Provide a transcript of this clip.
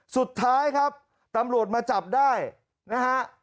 สุดท้ายครับตำรวจมาจับได้นะฮะ